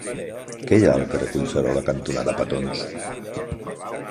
Què hi ha al carrer Collserola cantonada Petons?